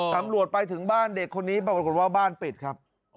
ตำรวจไปถึงบ้านเด็กคนนี้ปรากฏว่าบ้านปิดครับ